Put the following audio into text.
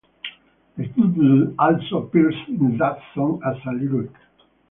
The title also appears in that song as a lyric.